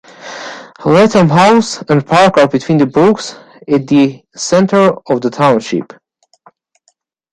Lathom House and park are between the brooks at the centre of the township.